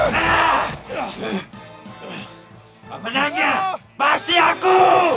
penangnya pasti aku